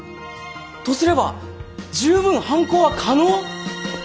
とすれば十分犯行は可能？